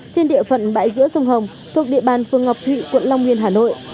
trên địa phận bãi giữa sông hồng thuộc địa bàn phương ngọc thị quận long nguyên hà nội